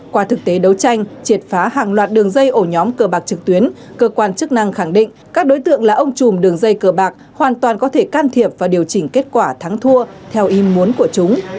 qua thực tế đấu tranh triệt phá hàng loạt đường dây ổ nhóm cờ bạc trực tuyến cơ quan chức năng khẳng định các đối tượng là ông chùm đường dây cờ bạc hoàn toàn có thể can thiệp và điều chỉnh kết quả thắng thua theo ý muốn của chúng